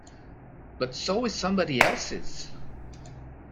But so is somebody else's.